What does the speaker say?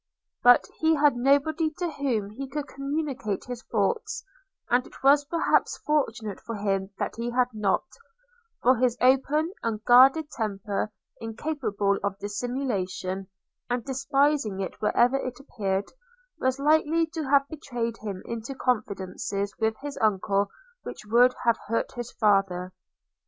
But he had nobody to whom he could communicate his thoughts: and it was perhaps fortunate for him that he had not; for his open, unguarded temper, incapable of dissimulation, and despising it wherever it appeared, was likely to have betrayed him into confidences with his uncle which would have hurt his father.